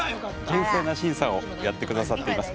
厳正な審査をやってくださっています。